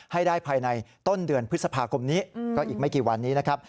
ให้ได้ภายในต้นเดือนพฤษภาคมนี้ก็อีกไม่กี่วันนี้นะครับ